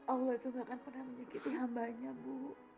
allah tidak akan pernah menyakiti hambanya ibu